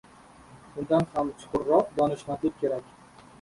undan ham chuqurroq donishmandlik kerak.